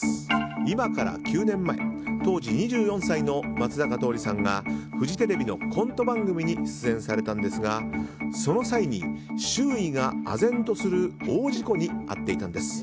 今から９年前、当時２４歳の松坂桃李さんがフジテレビのコント番組に出演されたんですが、その際に周囲が唖然とする大事故に遭っていたんです。